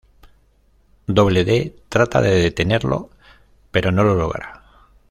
Doble D trata de detenerlo, pero no lo logra.